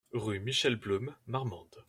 Rue Michel Blum, Marmande